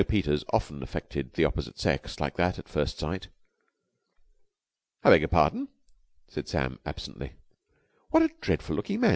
Peters often affected the opposite sex like that at first sight. "I beg your pardon?" said Sam absently. "What a dreadful looking man!